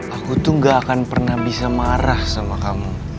aku tuh gak akan pernah bisa marah sama kamu